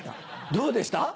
どうでした？